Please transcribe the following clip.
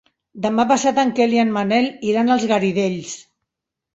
Demà passat en Quel i en Manel iran als Garidells.